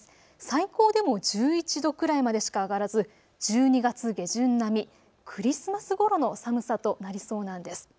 最高でも１１度くらいまでしか上がらず１２月下旬並み、クリスマスごろの寒さとなりそうなんです。